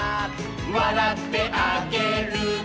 「わらってあげるね」